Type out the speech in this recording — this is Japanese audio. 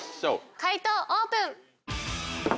解答オープン！